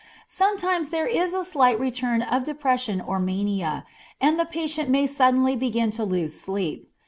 Sometimes there is a slight return of depression or mania, and the patient may suddenly begin to lose sleep.